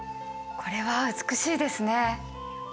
これは美しいですね。